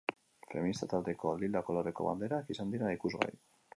Feminista taldeko lila koloreko banderak izan dira ikusgai.